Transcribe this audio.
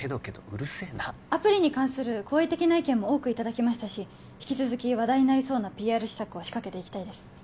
うるせえなアプリに関する好意的な意見も多くいただきましたし引き続き話題になりそうなＰＲ施策を仕掛けていきたいです